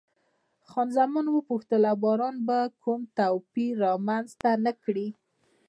خان زمان وپوښتل، او باران به کوم توپیر رامنځته نه کړي؟